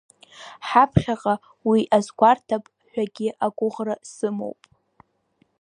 Ҳаԥхьаҟа, уи азгәарҭап ҳәагьы агәыӷра сымоуп.